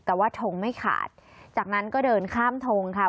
แต่ว่าทงไม่ขาดจากนั้นก็เดินข้ามทงค่ะ